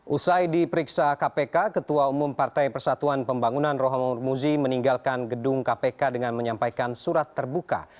usai diperiksa kpk ketua umum partai persatuan pembangunan rohamur muzi meninggalkan gedung kpk dengan menyampaikan surat terbuka